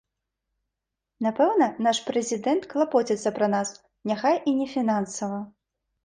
Напэўна, наш прэзідэнт клапоціцца пра нас, няхай і не фінансава.